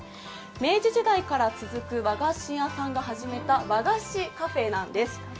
明治時代から続く和菓子屋さんが始めた和菓子カフェなんです。